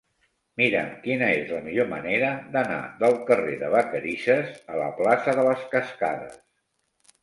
Mira'm quina és la millor manera d'anar del carrer de Vacarisses a la plaça de les Cascades.